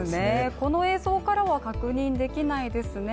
この映像からは確認できないですね。